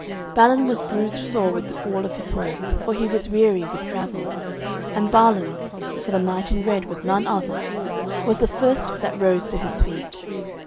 Balin was bruised sore with the fall of his horse, for he was weary with travel, and Balan (for the knight in red was none other) was the first that rose to his feet.